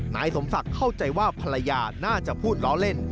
นายสมศักดิ์เข้าใจว่าภรรยาน่าจะพูดล้อเล่น